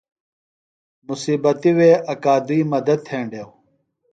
مصیبتی وے اکوادی مدت تھینڈیو۔